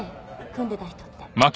組んでた人って。